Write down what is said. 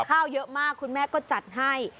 ข้าวเยอะมากคุณแม่ก็จัดให้